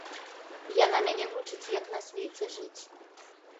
Яна мяне вучыць, як на свеце жыць.